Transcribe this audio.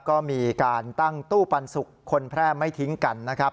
ก็มีการตั้งตู้ปันสุกคนแพร่ไม่ทิ้งกันนะครับ